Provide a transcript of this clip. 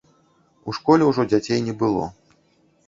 У школе ўжо дзяцей не было.